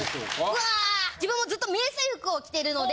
うわ自分はずっと迷彩服を着てるので。